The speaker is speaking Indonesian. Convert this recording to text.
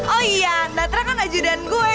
oh iya netra kan ajudan gue